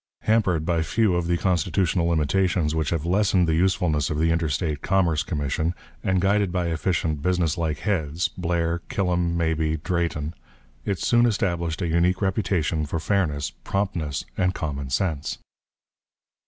Hampered by few of the constitutional limitations which have lessened the usefulness of the Interstate Commerce Commission, and guided by efficient businesslike heads Blair, Killam, Mabee, Drayton it soon established a unique reputation for fairness, promptness, and common sense.